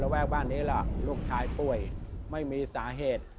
เวลาลูกชายป่วยไม่มีสาเหตุ